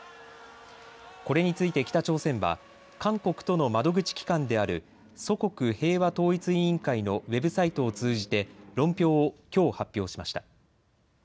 これについて北朝鮮は韓国との窓口機関である祖国平和統一委員会のウェブサイトを通じて論評をきょう発表しました。